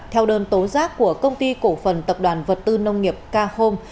theo đơn tố giác của công ty cổ phần tập đoàn vật tư nông nghiệp k hôm